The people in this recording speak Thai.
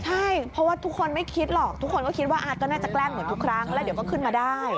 ใช่เพราะว่าทุกคนไม่คิดหรอกทุกคนก็คิดว่าอาร์ตก็น่าจะแกล้งเหมือนทุกครั้งแล้วเดี๋ยวก็ขึ้นมาได้